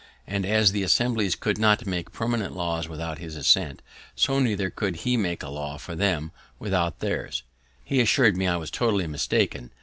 And as the Assemblies could not make permanent laws without his assent, so neither could he make a law for them without theirs. He assur'd me I was totally mistaken.